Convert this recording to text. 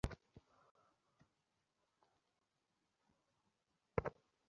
একটু সাহায্য করতে পারবে?